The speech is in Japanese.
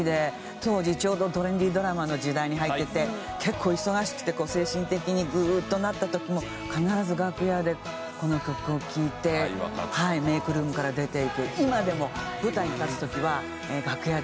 当時ちょうどトレンディドラマの時代に入ってて結構忙しくて精神的にグーッとなった時も必ず楽屋でこの曲を聴いてメイクルームから出ていく。